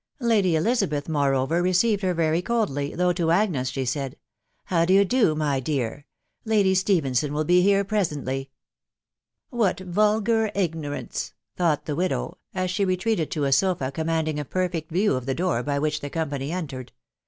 Lady Elizabeth, moreover, received her very coldly, though to Agnes she said, " How d'ye do, my dear ? Lady Stephenson will be here presently." " What vulgar ignorance !" thought the widow, as she retreated to a sofa commanding a perfect view of the door by which the company entered.